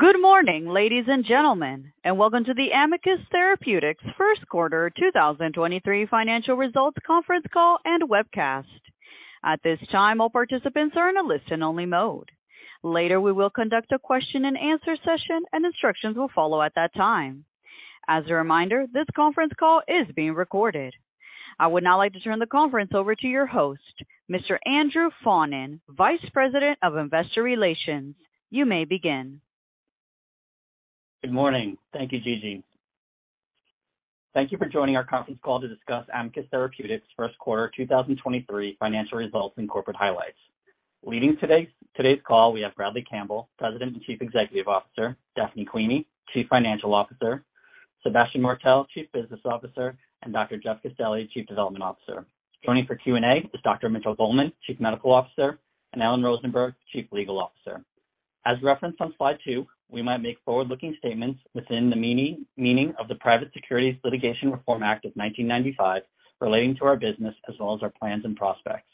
Good morning, ladies and gentlemen, and welcome to the Amicus Therapeutics first quarter 2023 financial results conference call and webcast. At this time, all participants are in a listen only mode. Later, we will conduct a question and answer session and instructions will follow at that time. As a reminder, this conference call is being recorded. I would now like to turn the conference over to your host, Mr. Andrew Faughnan, Vice President of Investor Relations. You may begin. Good morning. Thank you, Gigi. Thank you for joining our conference call to discuss Amicus Therapeutics first quarter 2023 financial results and corporate highlights. Leading today's call, we have Bradley Campbell, President and Chief Executive Officer, Daphne Quimi Chief Financial Officer, Sébastien Martel, Chief Business Officer, and Dr. Jeffrey Castelli, Chief Development Officer. Joining for Q&A is Dr. Mitchell Goldman, Chief Medical Officer, and Ellen Rosenberg, Chief Legal Officer. As referenced on slide two, we might make forward-looking statements within the meaning of the Private Securities Litigation Reform Act of 1995 relating to our business as well as our plans and prospects.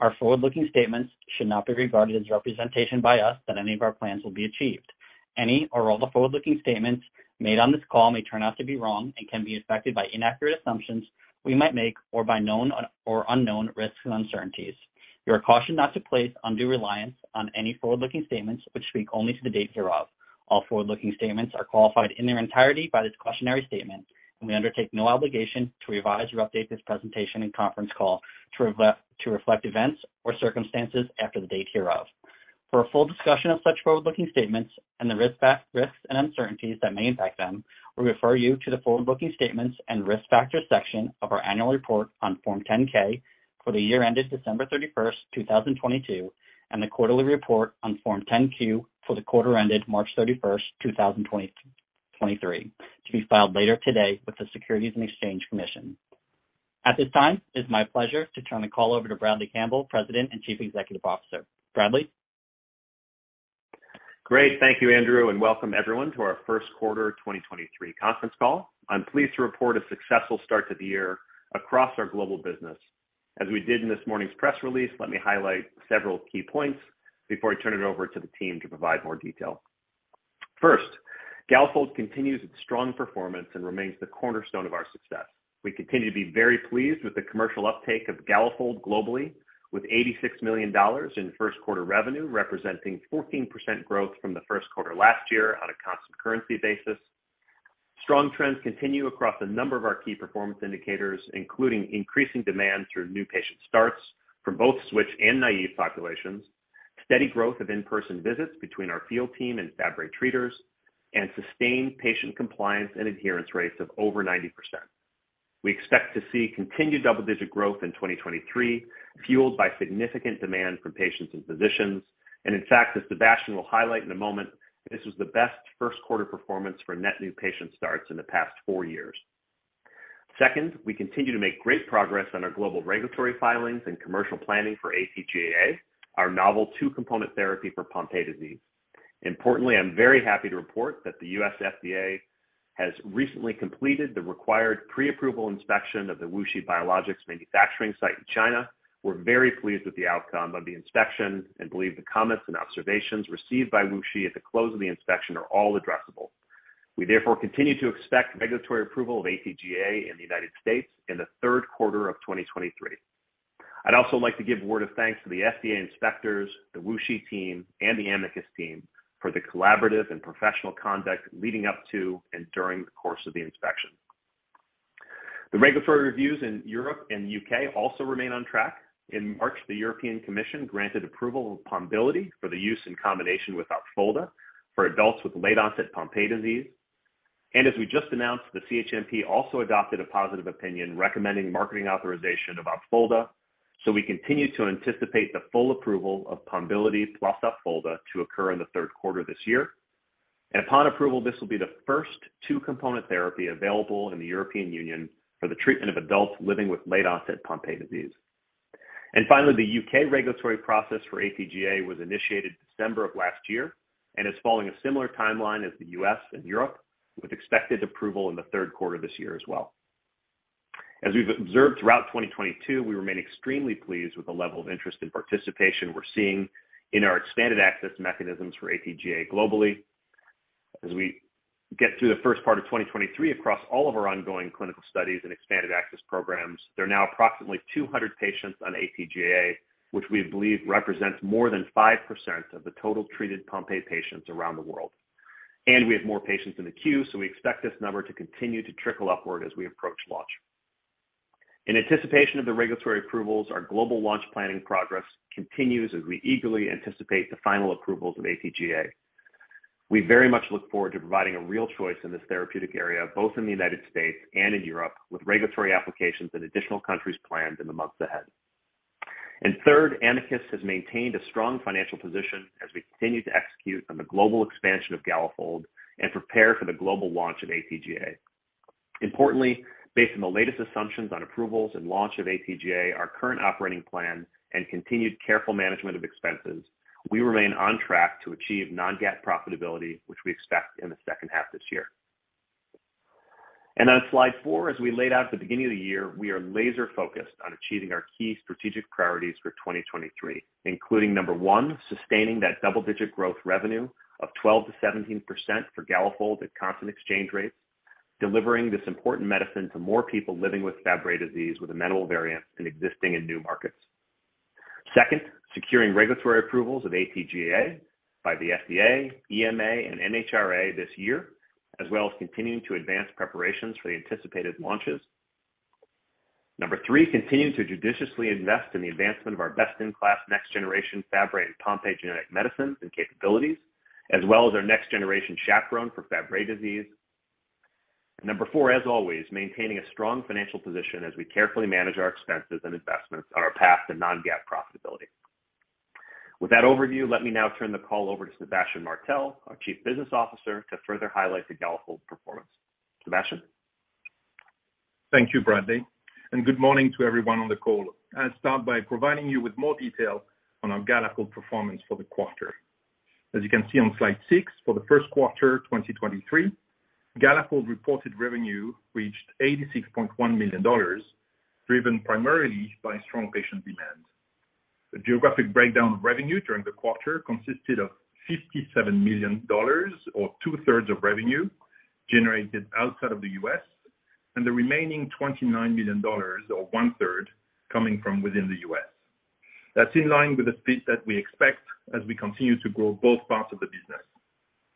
Our forward-looking statements should not be regarded as representation by us that any of our plans will be achieved. Any or all the forward-looking statements made on this call may turn out to be wrong and can be affected by inaccurate assumptions we might make or by known or unknown risks and uncertainties. You are cautioned not to place undue reliance on any forward-looking statements which speak only to the date hereof. All forward-looking statements are qualified in their entirety by this cautionary statement. We undertake no obligation to revise or update this presentation and conference call to reflect events or circumstances after the date hereof. For a full discussion of such forward-looking statements and the risks and uncertainties that may impact them, we refer you to the forward-looking statements and risk factors section of our annual report on Form 10-K for the year ended December 31, 2022, and the quarterly report on Form 10-Q for the quarter ended March 31, 2023, to be filed later today with the Securities and Exchange Commission. At this time, it's my pleasure to turn the call over to Bradley Campbell, President and Chief Executive Officer. Bradley. Great. Thank you, Andrew, and welcome everyone to our first quarter 2023 conference call. I'm pleased to report a successful start to the year across our global business. As we did in this morning's press release, let me highlight several key points before I turn it over to the team to provide more detail. First, Galafold continues its strong performance and remains the cornerstone of our success. We continue to be very pleased with the commercial uptake of Galafold globally with $86 million in first quarter revenue, representing 14% growth from the first quarter last year on a constant currency basis. Strong trends continue across a number of our key performance indicators, including increasing demand through new patient starts for both switch and naive populations, steady growth of in-person visits between our field team and Fabry treaters, and sustained patient compliance and adherence rates of over 90%. We expect to see continued double-digit growth in 2023, fueled by significant demand from patients and physicians. In fact, as Sébastien will highlight in a moment, this was the best first quarter performance for net new patient starts in the past four years. Second, we continue to make great progress on our global regulatory filings and commercial planning for AT-GAA, our novel two-component therapy for Pompe disease. Importantly, I'm very happy to report that the US FDA has recently completed the required pre-approval inspection of the WuXi Biologics manufacturing site in China. We're very pleased with the outcome of the inspection and believe the comments and observations received by WuXi at the close of the inspection are all addressable. We therefore continue to expect regulatory approval of AT-GAA in the United States in the third quarter of 2023. I'd also like to give a word of thanks to the FDA inspectors, the Wuxi team, and the Amicus team for the collaborative and professional conduct leading up to and during the course of the inspection. The regulatory reviews in Europe and U.K. also remain on track. In March, the European Commission granted approval of Pombiliti for the use in combination with Opfolda for adults with late-onset Pompe disease. As we just announced, the CHMP also adopted a positive opinion recommending marketing authorization of Opfolda, so we continue to anticipate the full approval of Pombiliti plus Opfolda to occur in the third quarter this year. Upon approval, this will be the first two-component therapy available in the European Union for the treatment of adults living with late-onset Pompe disease. Finally, the UK regulatory process for AT-GAA was initiated December of last year and is following a similar timeline as the U.S. and Europe, with expected approval in the third quarter this year as well. As we've observed throughout 2022, we remain extremely pleased with the level of interest and participation we're seeing in our expanded access mechanisms for AT-GAA globally. As we get through the first part of 2023 across all of our ongoing clinical studies and expanded access programs, there are now approximately 200 patients on AT-GAA, which we believe represents more than 5% of the total treated Pompe patients around the world. We have more patients in the queue, so we expect this number to continue to trickle upward as we approach launch. In anticipation of the regulatory approvals, our global launch planning progress continues as we eagerly anticipate the final approvals of AT-GAA. We very much look forward to providing a real choice in this therapeutic area, both in the United States and in Europe, with regulatory applications in additional countries planned in the months ahead. Third, Amicus has maintained a strong financial position as we continue to execute on the global expansion of Galafold and prepare for the global launch of AT-GAA. Importantly, based on the latest assumptions on approvals and launch of AT-GAA, our current operating plan and continued careful management of expenses, we remain on track to achieve non-GAAP profitability, which we expect in the second half this year. On slide four, as we laid out at the beginning of the year, we are laser-focused on achieving our key strategic priorities for 2023, including number one, sustaining that double-digit growth revenue of 12%-17% for Galafold at constant exchange rates, delivering this important medicine to more people living with Fabry disease with an amenable variant in existing and new markets. Second, securing regulatory approvals of AT-GAA by the FDA, EMA, and MHRA this year, as well as continuing to advance preparations for the anticipated launches. Number three, continue to judiciously invest in the advancement of our best-in-class next generation Fabry and Pompe genetic medicines and capabilities, as well as our next generation chaperone for Fabry disease. Number four, as always, maintaining a strong financial position as we carefully manage our expenses and investments on our path to non-GAAP profitability. With that overview, let me now turn the call over to Sébastien Martel, our Chief Business Officer, to further highlight the Galafold performance. Sébastien? Thank you, Bradley, and good morning to everyone on the call. I'll start by providing you with more detail on our Galafold performance for the quarter. As you can see on slide six, for the first quarter 2023, Galafold reported revenue reached $86.1 million, driven primarily by strong patient demand. The geographic breakdown of revenue during the quarter consisted of $57 million, or 2/3 of revenue generated outside of the U.S., and the remaining $29 million, or 1/3, coming from within the U.S. That's in line with the split that we expect as we continue to grow both parts of the business.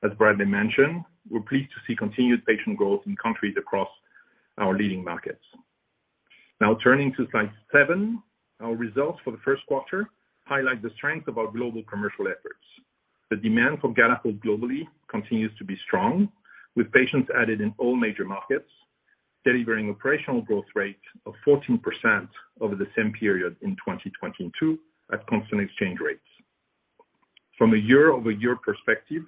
As Bradley mentioned, we're pleased to see continued patient growth in countries across our leading markets. Turning to slide seven. Our results for the first quarter highlight the strength of our global commercial efforts. The demand for Galafold globally continues to be strong, with patients added in all major markets, delivering operational growth rate of 14% over the same period in 2022 at constant exchange rates. From a year-over-year perspective,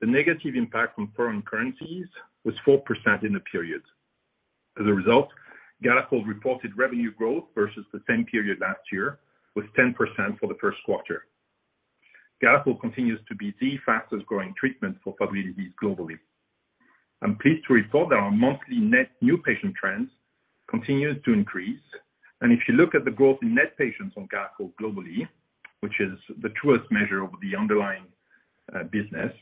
the negative impact from foreign currencies was 4% in the period. As a result, Galafold reported revenue growth versus the same period last year was 10% for the first quarter. Galafold continues to be the fastest-growing treatment for Fabry disease globally. I'm pleased to report that our monthly net new patient trends continued to increase. If you look at the growth in net patients on Galafold globally, which is the truest measure of the underlying business,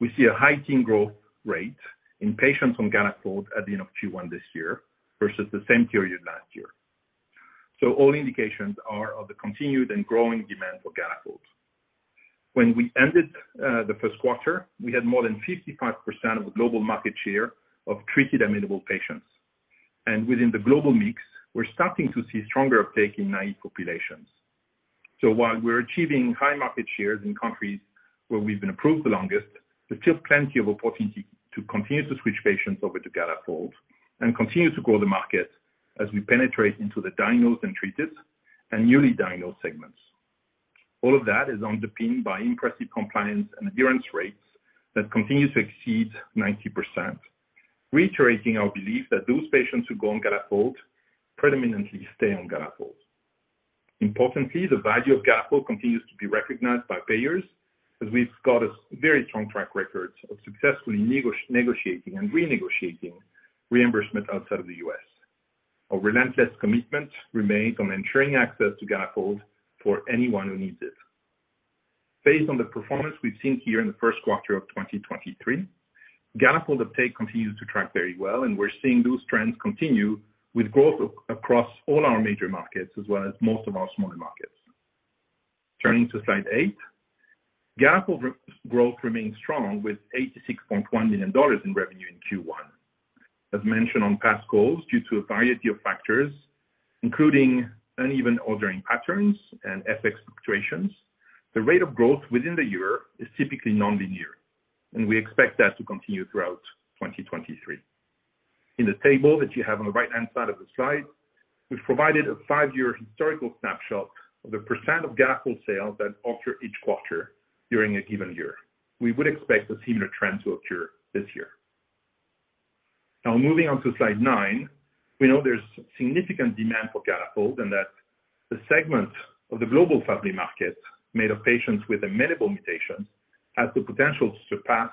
we see a high teen growth rate in patients on Galafold at the end of Q1 this year versus the same period last year. All indications are of the continued and growing demand for Galafold. When we ended the first quarter, we had more than 55% of the global market share of treated amenable patients. Within the global mix, we're starting to see stronger uptake in naive populations. While we're achieving high market shares in countries where we've been approved the longest, there's still plenty of opportunity to continue to switch patients over to Galafold and continue to grow the market as we penetrate into the diagnosed and treated and newly diagnosed segments. All of that is underpinned by impressive compliance and adherence rates that continue to exceed 90%, reiterating our belief that those patients who go on Galafold predominantly stay on Galafold. Importantly, the value of Galafold continues to be recognized by payers, as we've got a very strong track record of successfully negotiating and renegotiating reimbursement outside of the U.S. Our relentless commitment remains on ensuring access to Galafold for anyone who needs it. Based on the performance we've seen here in the first quarter of 2023, Galafold uptake continues to track very well, and we're seeing those trends continue with growth across all our major markets as well as most of our smaller markets. Turning to slide eight. Galafold growth remains strong with $86.1 million in revenue in Q1. As mentioned on past calls, due to a variety of factors, including uneven ordering patterns and FX fluctuations, the rate of growth within the year is typically nonlinear, and we expect that to continue throughout 2023. In the table that you have on the right-hand side of the slide, we've provided a five-year historical snapshot of the % of Galafold sales that occur each quarter during a given year. We would expect a similar trend to occur this year. Moving on to slide nine. We know there's significant demand for Galafold and that the segment of the global Fabry market made of patients with amenable mutations has the potential to surpass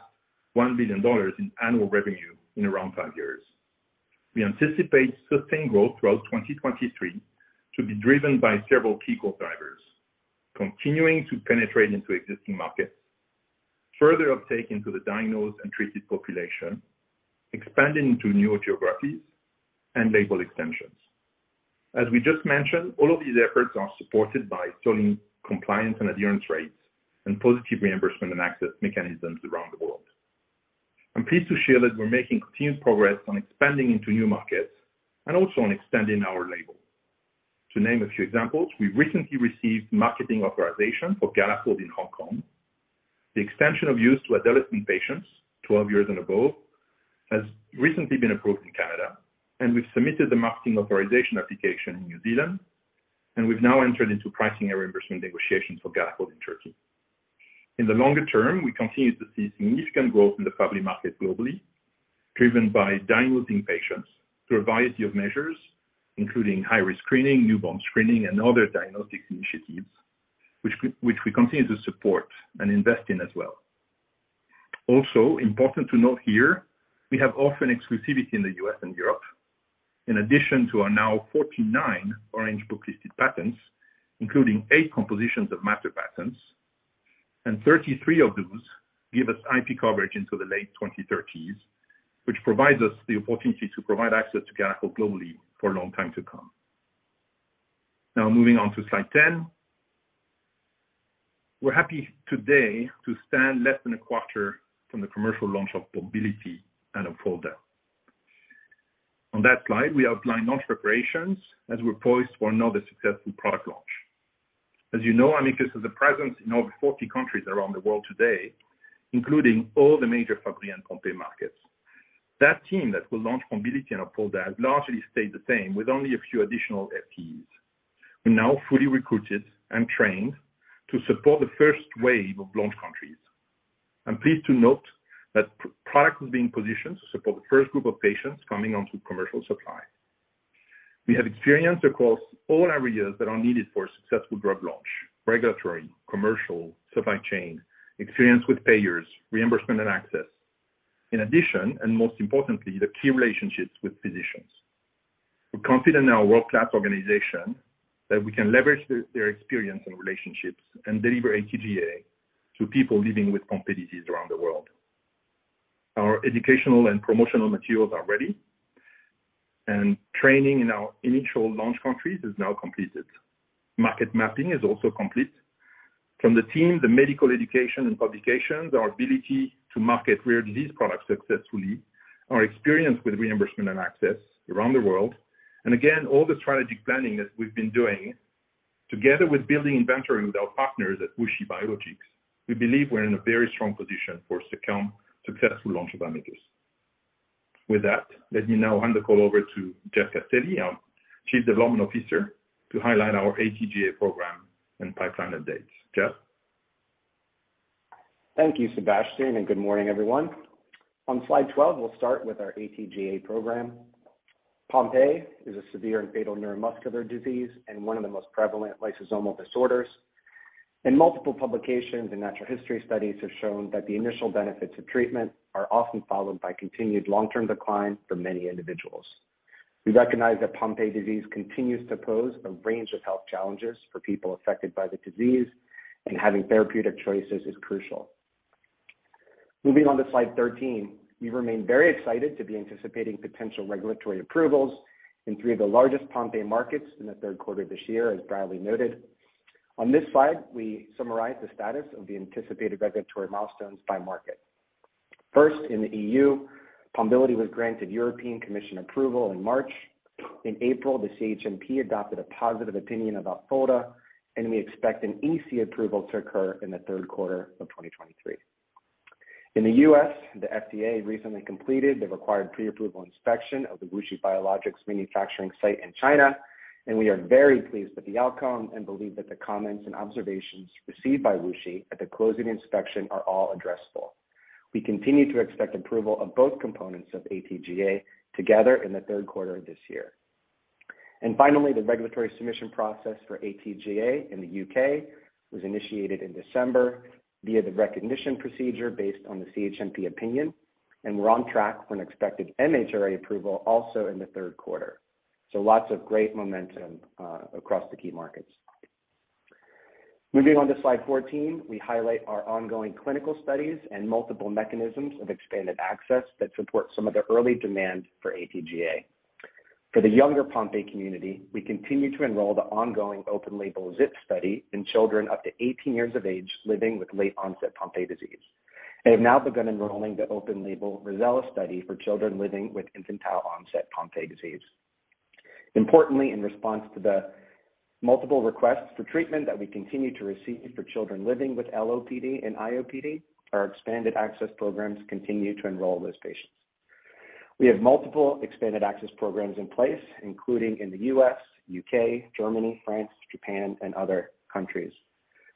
$1 billion in annual revenue in around five years. We anticipate sustained growth throughout 2023 to be driven by several key growth drivers, continuing to penetrate into existing markets, further uptake into the diagnosed and treated population, expanding into new geographies and label extensions. As we just mentioned, all of these efforts are supported by strong compliance and adherence rates and positive reimbursement and access mechanisms around the world. I'm pleased to share that we're making continued progress on expanding into new markets and also on extending our label. To name a few examples, we recently received marketing authorization for Galafold in Hong Kong. The extension of use to adolescent patients 12 years and above has recently been approved in Canada, and we've submitted the marketing authorization application in New Zealand, and we've now entered into pricing and reimbursement negotiations for Galafold in Turkey. In the longer term, we continue to see significant growth in the Fabry market globally, driven by diagnosing patients through a variety of measures, including high-risk screening, newborn screening, and other diagnostic initiatives, which we continue to support and invest in as well. Also important to note here, we have often exclusivity in the U.S. and Europe. In addition to our now 49 Orange Book listed patents, including eight compositions of matter patents, and 33 of those give us IP coverage into the late 2030s, which provides us the opportunity to provide access to Galafold globally for a long time to come. Moving on to slide 10. We're happy today to stand less than a quarter from the commercial launch of Pombiliti and Opfolda. On that slide, we outlined launch preparations as we're poised for another successful product launch. You know, Amicus has a presence in over 40 countries around the world today, including all the major Fabry and Pompe markets. That team that will launch Pombiliti and Opfolda has largely stayed the same, with only a few additional FTEs. We're now fully recruited and trained to support the first wave of launch countries. I'm pleased to note that product is being positioned to support the first group of patients coming onto commercial supply. We have experience across all areas that are needed for a successful drug launch, regulatory, commercial, supply chain, experience with payers, reimbursement and access. In addition, and most importantly, the key relationships with physicians. We're confident in our world-class organization that we can leverage their experience and relationships and deliver AT-GAA to people living with Pompe disease around the world. Our educational and promotional materials are ready, and training in our initial launch countries is now completed. Market mapping is also complete. From the team, the medical education and publications, our ability to market rare disease products successfully, our experience with reimbursement and access around the world. Again, all the strategic planning that we've been doing together with building inventory with our partners at WuXi Biologics, we believe we're in a very strong position for successful launch of Amicus. With that, let me now hand the call over to Jeffrey Castelli, our Chief Development Officer, to highlight our AT-GAA program and pipeline updates. Jeffrey? Thank you, Sébastien. Good morning, everyone. On slide 12, we'll start with our AT-GAA program. Pompe is a severe and fatal neuromuscular disease and one of the most prevalent lysosomal disorders. In multiple publications and natural history studies have shown that the initial benefits of treatment are often followed by continued long-term decline for many individuals. We recognize that Pompe disease continues to pose a range of health challenges for people affected by the disease, and having therapeutic choices is crucial. Moving on to slide 13. We remain very excited to be anticipating potential regulatory approvals in three of the largest Pompe markets in the third quarter this year, as Bradley noted. On this slide, we summarize the status of the anticipated regulatory milestones by market. First, in the EU, Pombiliti was granted European Commission approval in March. In April, the CHMP adopted a positive opinion about Opfolda. We expect an EC approval to occur in the third quarter of 2023. In the U.S., the FDA recently completed the required pre-approval inspection of the WuXi Biologics manufacturing site in China. We are very pleased with the outcome and believe that the comments and observations received by WuXi at the closing inspection are all addressable. We continue to expect approval of both components of AT-GAA together in the third quarter of this year. Finally, the regulatory submission process for AT-GAA in the U.K. was initiated in December via the recognition procedure based on the CHMP opinion. We're on track for an expected MHRA approval also in the third quarter. Lots of great momentum across the key markets. Moving on to slide 14. We highlight our ongoing clinical studies and multiple mechanisms of expanded access that support some of the early demand for ATGA. For the younger Pompe community, we continue to enroll the ongoing open label ZIP study in children up to 18 years of age living with late onset Pompe disease, and have now begun enrolling the open label Rosella study for children living with infantile onset Pompe disease. Importantly, in response to the multiple requests for treatment that we continue to receive for children living with LOPD and IOPD, our expanded access programs continue to enroll those patients. We have multiple expanded access programs in place, including in the U.S., U.K., Germany, France, Japan, and other countries.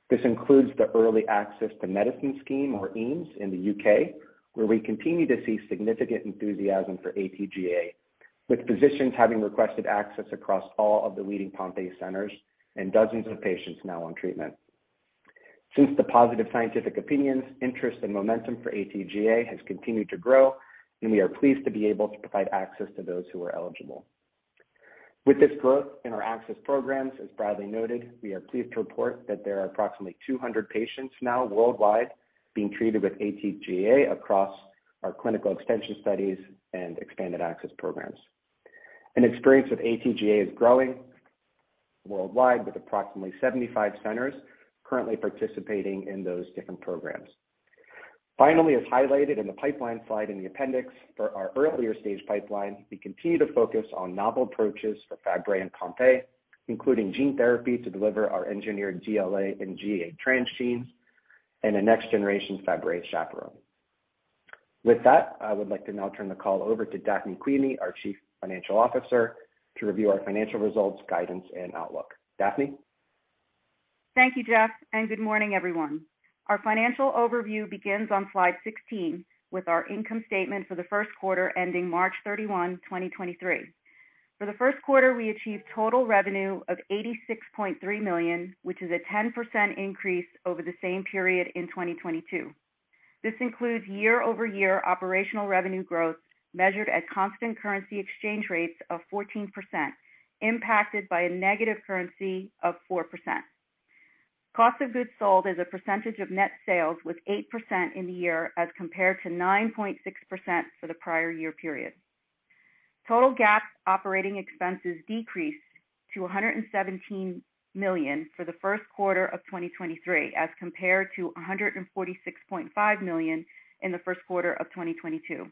This includes the Early Access to Medicine scheme, or EAMS, in the U.K., where we continue to see significant enthusiasm for AT-GAA, with physicians having requested access across all of the leading Pompe centers and dozens of patients now on treatment. Since the positive scientific opinions, interest and momentum for AT-GAA has continued to grow, we are pleased to be able to provide access to those who are eligible. With this growth in our access programs, as Bradley noted, we are pleased to report that there are approximately 200 patients now worldwide being treated with AT-GAA across our clinical extension studies and expanded access programs. Experience with AT-GAA is growing worldwide, with approximately 75 centers currently participating in those different programs. Finally, as highlighted in the pipeline slide in the appendix for our earlier stage pipeline, we continue to focus on novel approaches for Fabry and Pompe, including gene therapy to deliver our engineered GLA and GAA transgenes, and a next generation Fabry chaperone. With that, I would like to now turn the call over to Daphne Quimi, our Chief Financial Officer, to review our financial results, guidance, and outlook. Daphne? Thank you, Jeffrey and good morning, everyone. Our financial overview begins on slide 16 with our income statement for the first quarter ending March 31, 2023. For the first quarter, we achieved total revenue of $86.3 million, which is a 10% increase over the same period in 2022. This includes year-over-year operational revenue growth measured at constant currency exchange rates of 14%, impacted by a negative currency of 4%. Cost of goods sold as a percentage of net sales was 8% in the year as compared to 9.6% for the prior year period. Total GAAP operating expenses decreased to $117 million for the first quarter of 2023 as compared to $146.5 million in the first quarter of 2022.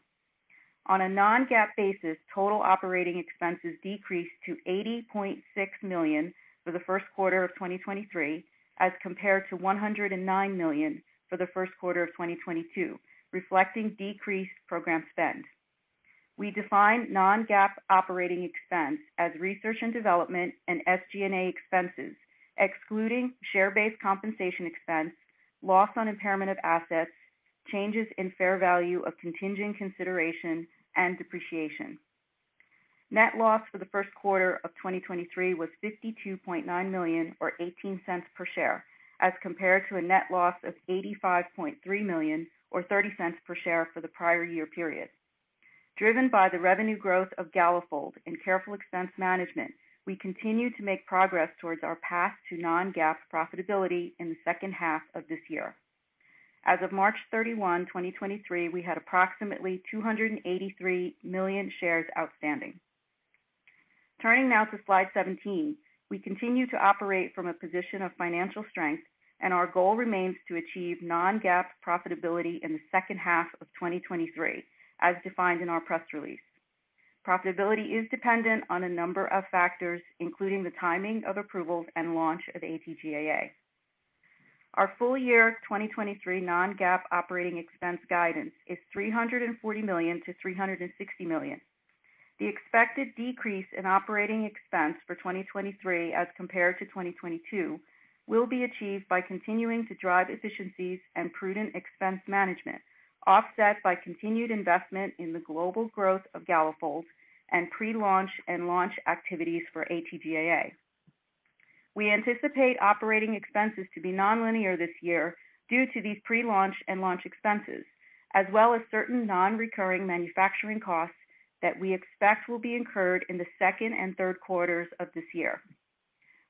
On a non-GAAP basis, total operating expenses decreased to $80.6 million for the first quarter of 2023 as compared to $109 million for the first quarter of 2022, reflecting decreased program spend. We define non-GAAP operating expense as research and development and SG&A expenses, excluding share-based compensation expense, loss on impairment of assets, changes in fair value of contingent consideration and depreciation. Net loss for the first quarter of 2023 was $52.9 million or $0.18 per share, as compared to a net loss of $85.3 million or $0.30 per share for the prior year period. Driven by the revenue growth of Galafold and careful expense management, we continue to make progress towards our path to non-GAAP profitability in the second half of this year. As of March 31, 2023, we had approximately 283 million shares outstanding. Turning now to slide 17. We continue to operate from a position of financial strength, our goal remains to achieve non-GAAP profitability in the second half of 2023, as defined in our press release. Profitability is dependent on a number of factors, including the timing of approvals and launch of AT-GAA. Our full year 2023 non-GAAP operating expense guidance is $340 million-$360 million. The expected decrease in operating expense for 2023 as compared to 2022 will be achieved by continuing to drive efficiencies and prudent expense management, offset by continued investment in the global growth of Galafold and pre-launch and launch activities for AT-GAA. We anticipate operating expenses to be nonlinear this year due to these pre-launch and launch expenses, as well as certain non-recurring manufacturing costs that we expect will be incurred in the second and third quarters of this year.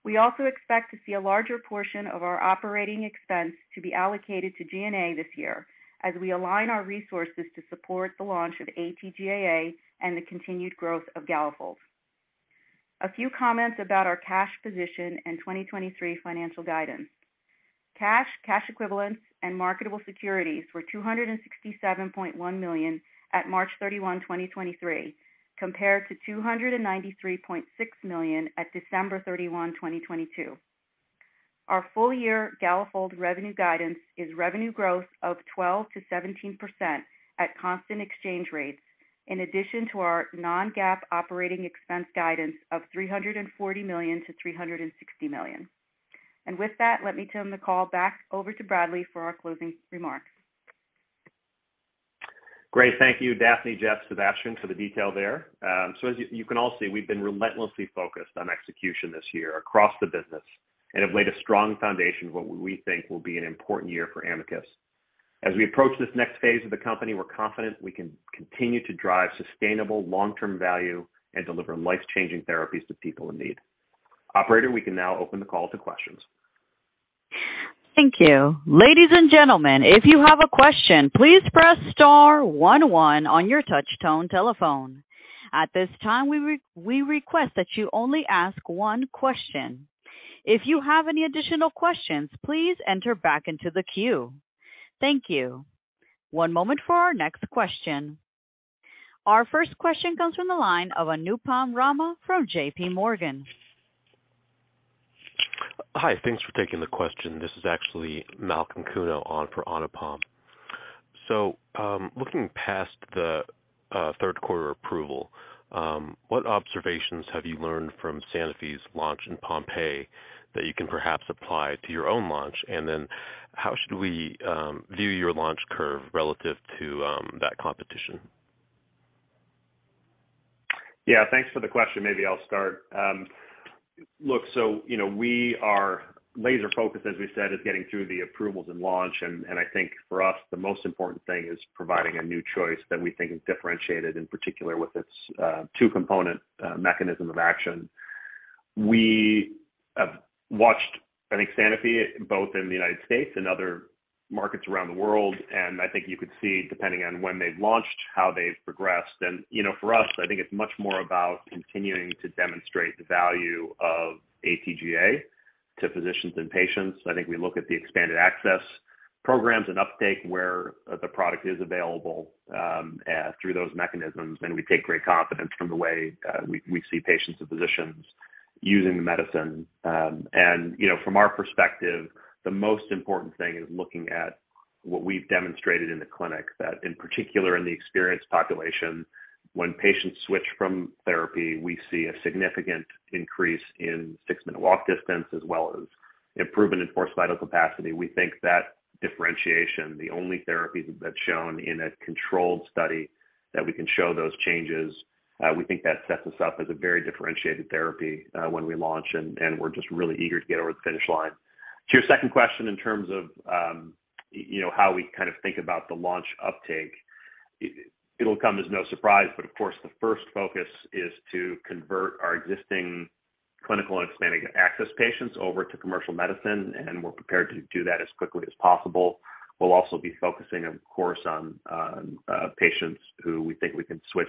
We also expect to see a larger portion of our operating expense to be allocated to G&A this year as we align our resources to support the launch of AT-GAA and the continued growth of Galafold. A few comments about our cash position and 2023 financial guidance. Cash, cash equivalents and marketable securities were $267.1 million at March 31, 2023, compared to $293.6 million at December 31, 2022. Our full-year Galafold revenue guidance is revenue growth of 12%-17% at constant exchange rates, in addition to our non-GAAP operating expense guidance of $340 million-$360 million. With that, let me turn the call back over to Bradley for our closing remarks. Great. Thank you Daphne, Jeffrey, Sébastien for the detail there. As you can all see, we've been relentlessly focused on execution this year across the business and have laid a strong foundation for what we think will be an important year for Amicus. As we approach this next phase of the company, we're confident we can continue to drive sustainable long-term value and deliver life-changing therapies to people in need. Operator, we can now open the call to questions. Thank you. Ladies and gentlemen, if you have a question, please press star one one on your touch-tone telephone. At this time, we request that you only ask one question. If you have any additional questions, please enter back into the queue. Thank you. One moment for our next question. Our first question comes from the line of Anupam Rama from JP Morgan. Hi. Thanks for taking the question. This is actually Malcolm Cuno on for Anupam. Looking past the third quarter approval, what observations have you learned from Sanofi's launch in Pompe that you can perhaps apply to your own launch? Then how should we view your launch curve relative to that competition? Yeah, thanks for the question. Maybe I'll start. Look, you know, we are laser focused, as we said, at getting through the approvals and launch. I think for us the most important thing is providing a new choice that we think is differentiated, in particular with its two-component mechanism of action. We have watched, I think Sanofi both in the United States and other markets around the world. I think you could see, depending on when they've launched, how they've progressed. You know, for us, I think it's much more about continuing to demonstrate the value of AT-GAA to physicians and patients. I think we look at the expanded access programs and uptake where the product is available through those mechanisms. We take great confidence from the way we see patients and physicians using the medicine. From our perspective, the most important thing is looking at what we've demonstrated in the clinic that, in particular in the experienced population, when patients switch from therapy, we see a significant increase in six-minute walk distance as well as improvement in forced vital capacity, we think that differentiation, the only therapy that's shown in a controlled study that we can show those changes, we think that sets us up as a very differentiated therapy when we launch, and we're just really eager to get over the finish line. To your second question, in terms of how we kind of think about the launch uptake, it'll come as no surprise, but of course, the first focus is to convert our existing clinical and expanding access patients over to commercial medicine, and we're prepared to do that as quickly as possible. We'll also be focusing, of course, on patients who we think we can switch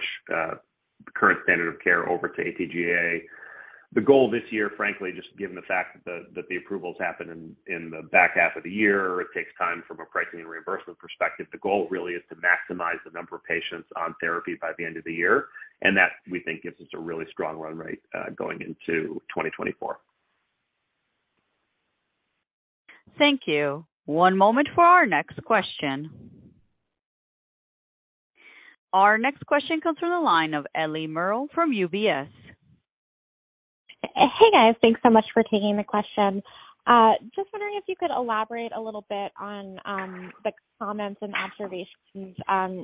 the current standard of care over to AT-GAA. The goal this year, frankly, just given the fact that the approvals happen in the back half of the year, it takes time from a pricing and reimbursement perspective. The goal really is to maximize the number of patients on therapy by the end of the year, that, we think, gives us a really strong run rate going into 2024. Thank you. One moment for our next question. Our next question comes from the line of Eliana Merle from UBS. Hey, guys. Thanks so much for taking the question. Just wondering if you could elaborate a little bit on the comments and observations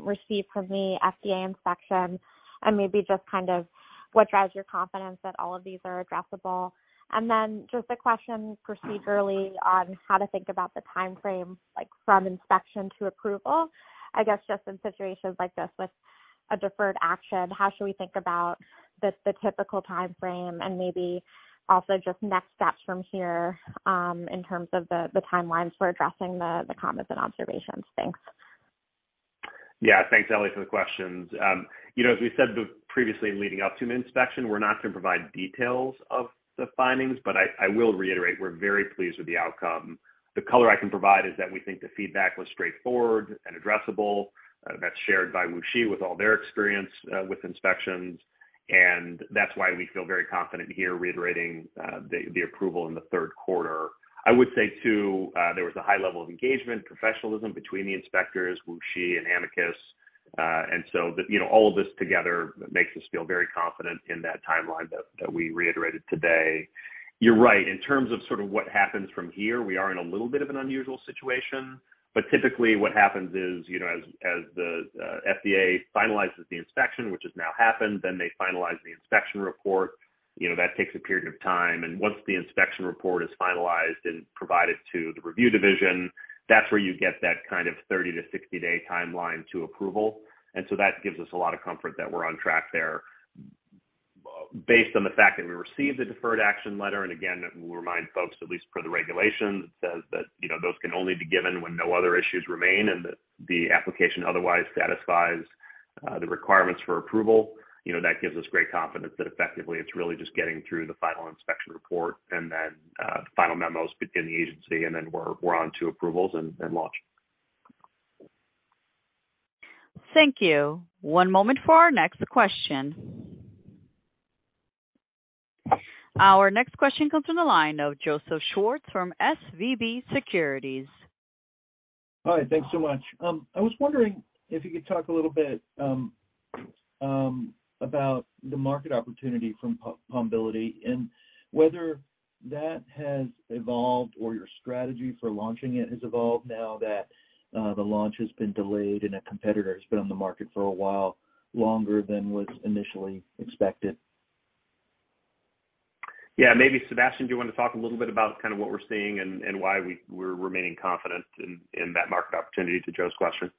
received from the FDA inspection and maybe just kind of what drives your confidence that all of these are addressable? Then just a question procedurally on how to think about the timeframe, like from inspection to approval. I guess just in situations like this with a deferred action, how should we think about the typical timeframe and maybe also just next steps from here in terms of the timelines for addressing the comments and observations? Thanks. Yeah. Thanks, Eliana, for the questions. You know, as we said the previously leading up to an inspection, we're not gonna provide details of the findings, but I will reiterate, we're very pleased with the outcome. The color I can provide is that we think the feedback was straightforward and addressable. That's shared by WuXi with all their experience with inspections. That's why we feel very confident here reiterating the approval in the third quarter. I would say too, there was a high level of engagement, professionalism between the inspectors, WuXi and Amicus. So the, you know, all of this together makes us feel very confident in that timeline that we reiterated today. You're right. In terms of sort of what happens from here, we are in a little bit of an unusual situation. Typically what happens is, you know, as the FDA finalizes the inspection, which has now happened, then they finalize the inspection report. You know, that takes a period of time. Once the inspection report is finalized and provided to the review division, that's where you get that kind of 30 to 60 day timeline to approval. So that gives us a lot of comfort that we're on track there. Based on the fact that we received a deferred action letter, and again, we'll remind folks, at least per the regulations, it says that, you know, those can only be given when no other issues remain and the application otherwise satisfies the requirements for approval. You know, that gives us great confidence that effectively it's really just getting through the final inspection report and then, final memos within the agency, and then we're onto approvals and launch. Thank you. One moment for our next question. Our next question comes from the line of Joseph Schwartz from SVB Securities. All right. Thanks so much. I was wondering if you could talk a little bit about the market opportunity from Pombiliti and whether that has evolved or your strategy for launching it has evolved now that the launch has been delayed and a competitor has been on the market for a while longer than was initially expected. Yeah. Maybe Sébastien, do you want to talk a little bit about kind of what we're seeing and why we're remaining confident in that market opportunity to Joe's question?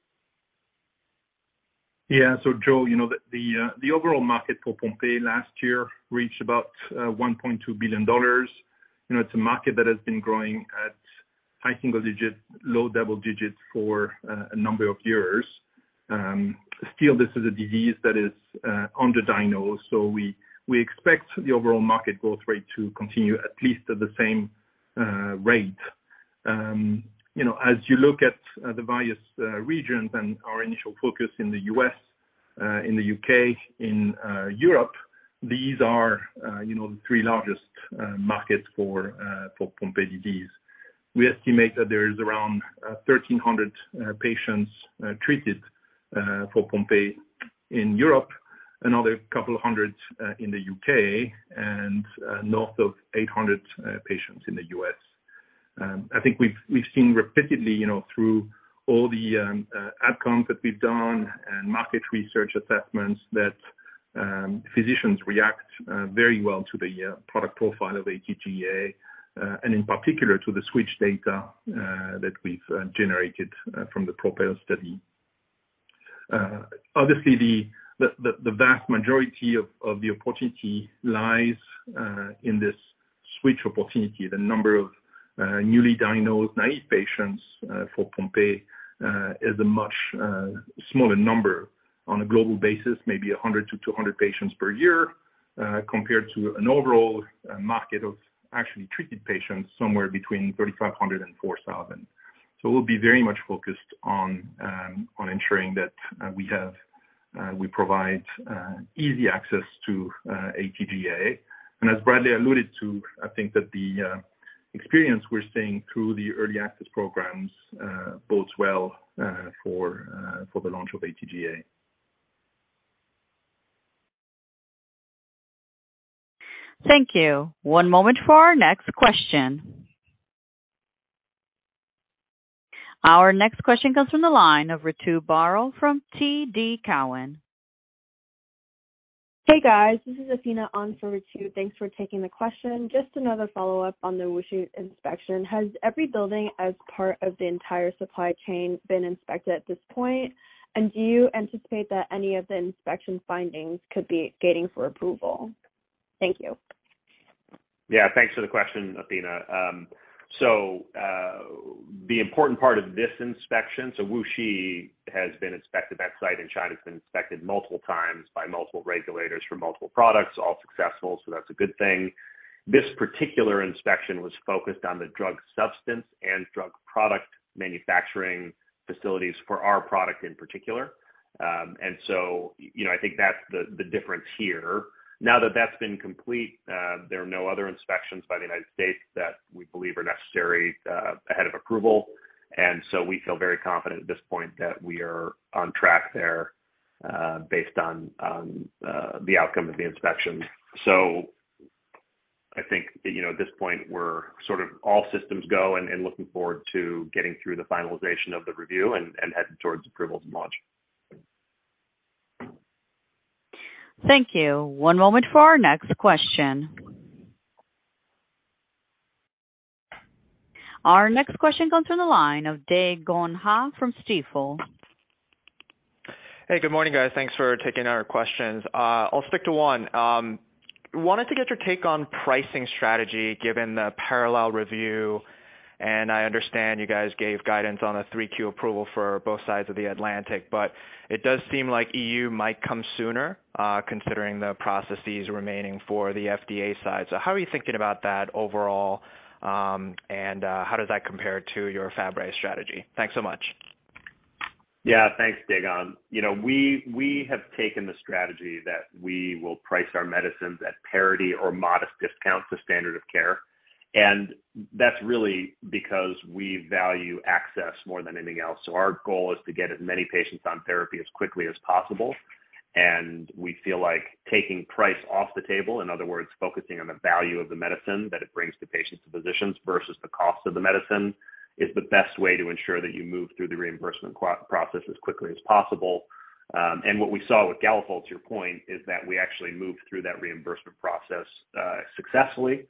Yeah. Joseph you know, the overall market for Pompe last year reached about $1.2 billion. You know, it's a market that has been growing at high single digits, low double digits for a number of years. Still this is a disease that is under-diagnosed. We expect the overall market growth rate to continue at least at the same rate. You know, as you look at the various regions and our initial focus in the U.S., in the U.K., in Europe, these are, you know, the three largest markets for Pompe disease. We estimate that there is around 1,300 patients treated for Pompe in Europe, another couple hundred in the U.K., and north of 800 patients in the U.S. And I think we've seen repeatedly, you know, through all the outcomes that we've done and market research assessments that physicians react very well to the product profile of AT-GAA, and in particular to the switch data that we've generated from the PROPEL study. Obviously the vast majority of the opportunity lies in this switch opportunity. The number of newly diagnosed naive patients for Pompe is a much smaller number on a global basis, maybe 100-200 patients per year, compared to an overall market of actually treated patients, somewhere between 3,500 and 4,000. So we'll be very much focused on ensuring that we have, we provide easy access to AT-GAA. As Bradley alluded to, I think that the experience we're seeing through the early access programs bodes well for the launch of AT-GAA. Thank you. One moment for our next question. Our next question comes from the line of Ritu Baral from TD Cowen. Hey, guys. This is Athena on for Ritu. Thanks for taking the question. Just another follow-up on the Wuxi inspection. Has every building as part of the entire supply chain been inspected at this point? Do you anticipate that any of the inspection findings could be gating for approval? Thank you. Yeah. Thanks for the question, Athena. The important part of this inspection, so WuXi has been inspected. That site in China has been inspected multiple times by multiple regulators for multiple products, all successful, so that's a good thing. This particular inspection was focused on the drug substance and drug product manufacturing facilities for our product in particular. You know, I think that's the difference here. Now that that's been complete, there are no other inspections by the United States that we believe are necessary ahead of approval. We feel very confident at this point that we are on track there, based on the outcome of the inspection. I think, you know, at this point, we're sort of all systems go and looking forward to getting through the finalization of the review and heading towards approval to launch. Thank you. One moment for our next question. Our next question comes from the line of Dae Gon Ha from Stifel. Hey, good morning, guys. Thanks for taking our questions. I'll stick to one. Wanted to get your take on pricing strategy given the parallel review, I understand you guys gave guidance on the 3Q approval for both sides of the Atlantic, but it does seem like EU might come sooner, considering the processes remaining for the FDA side. How are you thinking about that overall, how does that compare to your Fabry strategy? Thanks so much. Yeah. Thanks, Dae Gon. You know, we have taken the strategy that we will price our medicines at parity or modest discounts, the standard of care. That's really because we value access more than anything else. Our goal is to get as many patients on therapy as quickly as possible. We feel like taking price off the table, in other words, focusing on the value of the medicine that it brings to patients and physicians versus the cost of the medicine, is the best way to ensure that you move through the reimbursement process as quickly as possible. What we saw with Galafold, to your point, is that we actually moved through that reimbursement process successfully,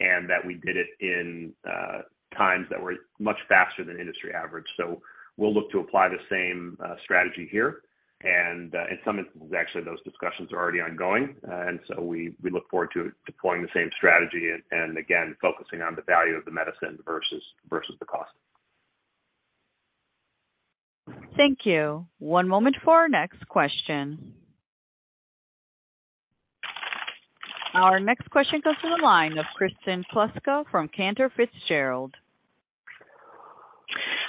and that we did it in times that were much faster than industry average. We'll look to apply the same strategy here. In some instances, actually, those discussions are already ongoing. We look forward to deploying the same strategy and again, focusing on the value of the medicine versus the cost. Thank you. One moment for our next question. Our next question goes to the line of Kristen Kluska from Cantor Fitzgerald.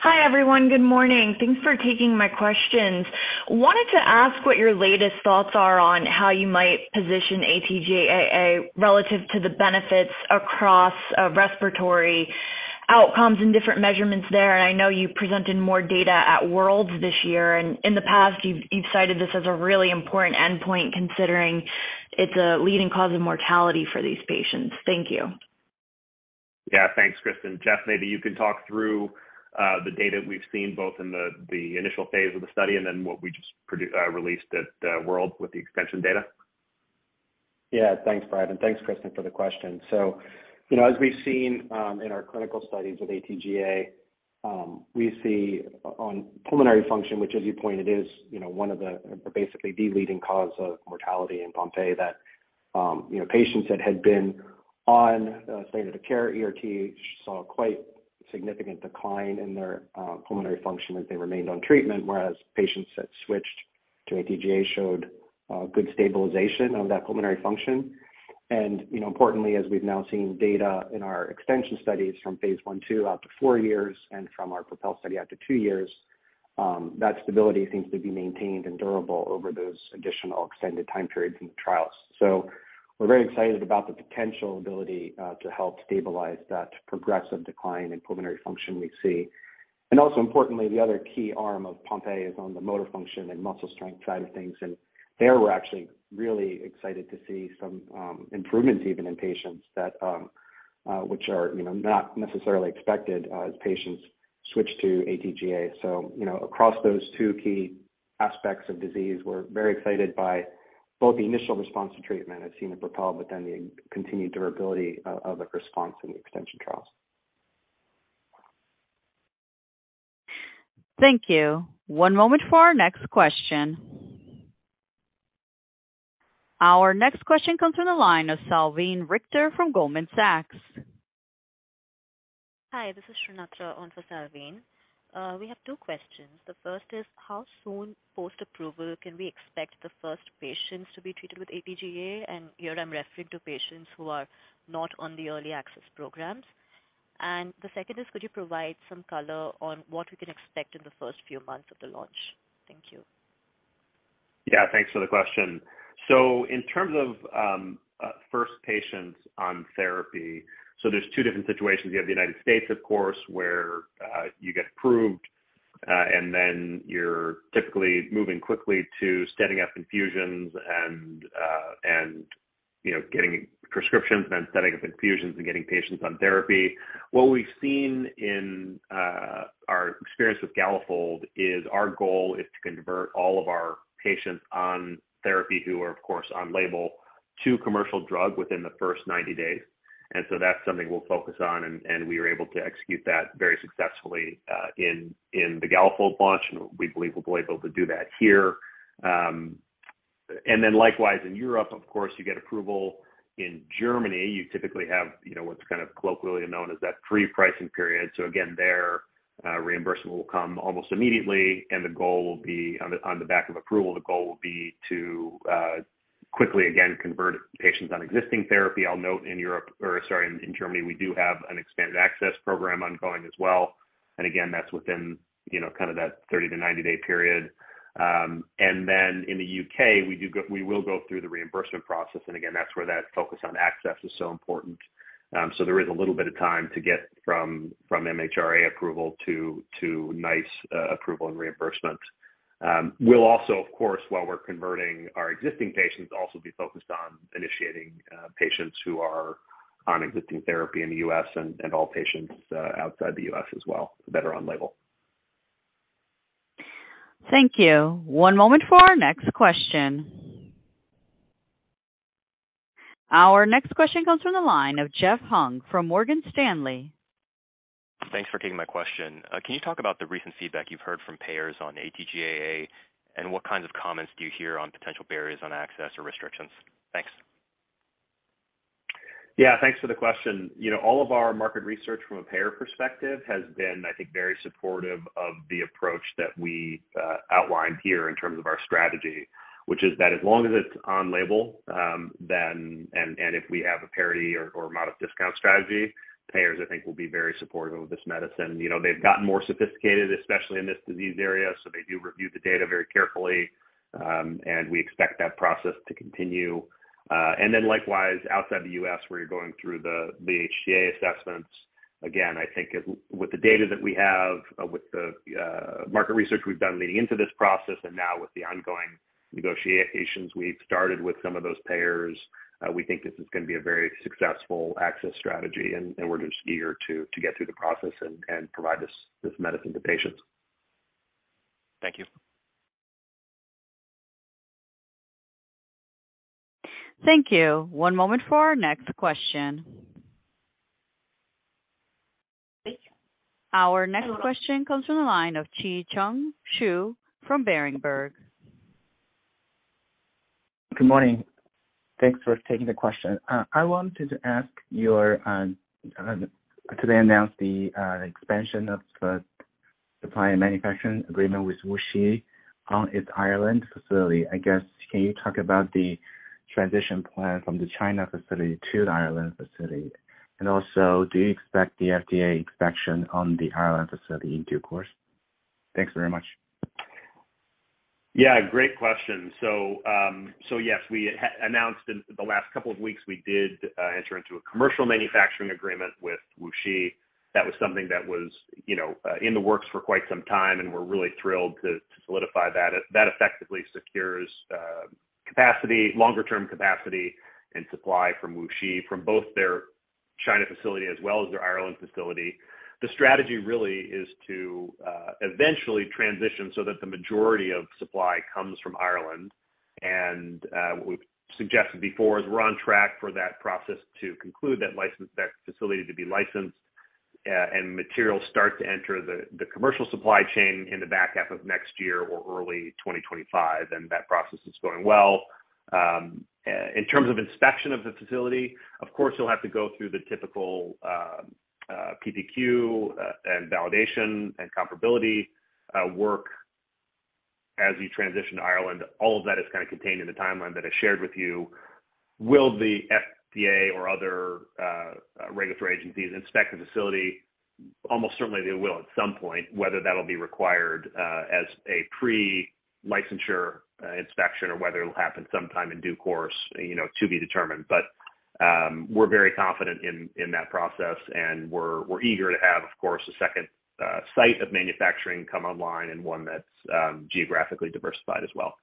Hi, everyone. Good morning. Thanks for taking my questions. Wanted to ask what your latest thoughts are on how you might position AT-GAA relative to the benefits across respiratory outcomes and different measurements there? I know you presented more data at WORLDSymposium this year. In the past, you've cited this as a really important endpoint considering it's a leading cause of mortality for these patients. Thank you. Thanks, Kristen. Jeffrey maybe you can talk through the data we've seen both in the initial phase of the study and then what we just released at World with the extension data. Yeah. Thanks, Bradley, and thanks, Kristen, for the question. You know, as we've seen, in our clinical studies with AT-GAA, we see on pulmonary function, which as you pointed is, you know, one of the, or basically the leading cause of mortality in Pompe that, you know, patients that had been on the standard of care ERT saw quite significant decline in their pulmonary function as they remained on treatment, whereas patients that switched to AT-GAA showed good stabilization of that pulmonary function. You know, importantly, as we've now seen data in our extension studies from phase 1, 2 out to four years and from our PROPEL study out to two years, that stability seems to be maintained and durable over those additional extended time periods in the trials. We're very excited about the potential ability to help stabilize that progressive decline in pulmonary function we see. Also importantly, the other key arm of Pompe is on the motor function and muscle strength side of things. There we're actually really excited to see some improvements even in patients that, which are, you know, not necessarily expected as patients switch to AT-GAA. You know, across those two key aspects of disease, we're very excited by both the initial response to treatment as seen in PROPEL, but then the continued durability of the response in the extension trials. Thank you. One moment for our next question. Our next question comes from the line of Salveen Richter from Goldman Sachs. Hi, this is Srikripa on for Salveen We have two questions. The first is how soon post-approval can we expect the first patients to be treated with AT-GAA? Here I'm referring to patients who are not on the early access programs. The second is, could you provide some color on what we can expect in the first few months of the launch? Thank you. Yeah. Thanks for the question. In terms of first patients on therapy, there's two different situations. You have the United States, of course, where you get approved. You're typically moving quickly to setting up infusions and, you know, getting prescriptions and then setting up infusions and getting patients on therapy. What we've seen in our experience with Galafold is our goal is to convert all of our patients on therapy who are of course on label to commercial drug within the first 90 days. That's something we'll focus on, and we are able to execute that very successfully in the Galafold launch, and we believe we'll be able to do that here. Likewise in Europe, of course, you get approval. In Germany, you typically have, you know, what's kind of colloquially known as that pre-pricing period. Again, there, reimbursement will come almost immediately and the goal will be on the, on the back of approval, the goal will be to quickly again, convert patients on existing therapy. I'll note in Europe or sorry, in Germany, we do have an expanded access program ongoing as well. Again, that's within, you know, kind of that 30 to 90 day period. Then in the U.K., we will go through the reimbursement process and again, that's where that focus on access is so important. There is a little bit of time to get from MHRA approval to NICE approval and reimbursement. We'll also, of course, while we're converting our existing patients, also be focused on initiating patients who are on existing therapy in the U.S. and all patients outside the U.S. as well that are on label. Thank you. One moment for our next question. Our next question comes from the line of Jeffrey Hung from Morgan Stanley. Thanks for taking my question. Can you talk about the recent feedback you've heard from payers on AT-GAA, what kinds of comments do you hear on potential barriers on access or restrictions? Thanks. Yeah, thanks for the question. You know, all of our market research from a payer perspective has been, I think, very supportive of the approach that we outlined here in terms of our strategy, which is that as long as it's on label, and if we have a parity or amount of discount strategy, payers I think will be very supportive of this medicine. You know, they've gotten more sophisticated, especially in this disease area, they do review the data very carefully, and we expect that process to continue. Likewise, outside the U.S., where you're going through the HTA assessments, again, I think with the data that we have, with the market research we've done leading into this process and now with the ongoing negotiations we've started with some of those payers, we think this is gonna be a very successful access strategy and we're just eager to get through the process and provide this medicine to patients. Thank you. Thank you. One moment for our next question. Our next question comes from the line of from Berenberg. Good morning. Thanks for taking the question. I wanted to ask your today announced the expansion of the supply and manufacturing agreement with WuXi on its Ireland facility. I guess, can you talk about the transition plan from the China facility to the Ireland facility? Also, do you expect the FDA inspection on the Ireland facility in due course? Thanks very much. Yeah, great question. Yes, we announced in the last couple of weeks, we did enter into a commercial manufacturing agreement with WuXi. That was something that was, you know, in the works for quite some time, and we're really thrilled to solidify that. That effectively secures capacity, longer term capacity and supply from WuXi from both their China facility as well as their Ireland facility. The strategy really is to eventually transition so that the majority of supply comes from Ireland. What we've suggested before is we're on track for that process to conclude that license, that facility to be licensed, and materials start to enter the commercial supply chain in the back half of next year or early 2025, and that process is going well. In terms of inspection of the facility, of course you'll have to go through the typical PPQ and validation and comparability work as you transition to Ireland. All of that is kinda contained in the timeline that I shared with you. Will the FDA or other regulatory agencies inspect the facility? Almost certainly they will at some point. Whether that'll be required as a pre-licensure inspection or whether it'll happen sometime in due course, you know, to be determined. We're very confident in that process and we're eager to have, of course, a second site of manufacturing come online and one that's geographically diversified as well.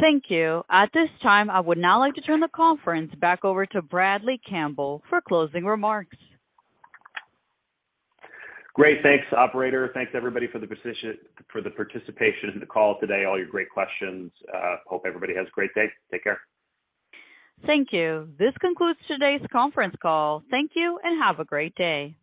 Thank you. At this time, I would now like to turn the conference back over to Bradley Campbell for closing remarks. Great. Thanks, operator. Thanks everybody for the participation in the call today, all your great questions. Hope everybody has a great day. Take care. Thank you. This concludes today's conference call. Thank you, and have a great day.